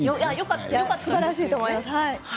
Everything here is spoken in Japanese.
すばらしいと思います。